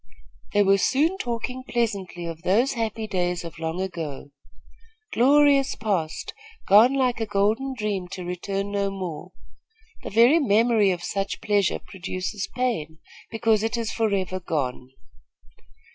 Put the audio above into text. They were soon talking pleasantly of those happy days of long ago. Glorious past, gone like a golden dream to return no more! The very memory of such pleasure produces pain, because it is forever gone.